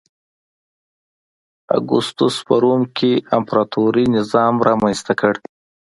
اګوستوس په روم کې امپراتوري نظام رامنځته کړ.